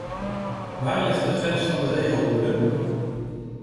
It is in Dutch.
Waar ligt de grens van de regelwoede?